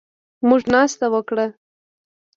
موږ ناسته وکړه